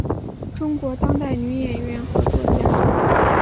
中国当代女演员和作家。